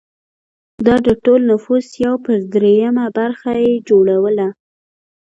دا د ټول نفوس یو پر درېیمه برخه یې جوړوله